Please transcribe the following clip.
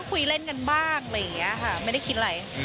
คุยเล่นกันบ้างอะไรอย่างนี้ค่ะไม่ได้คิดอะไร